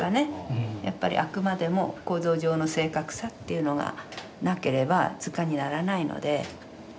やっぱりあくまでも構造上の正確さというのがなければ図鑑にならないので。